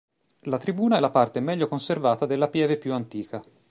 La tribuna è la parte meglio conservata della pieve più antica.